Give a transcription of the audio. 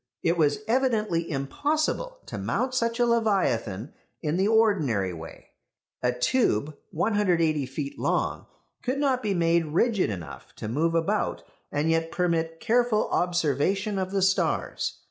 It was evidently impossible to mount such a leviathan in the ordinary way. A tube, 180 feet long, could not be made rigid enough to move about and yet permit careful observation of the stars.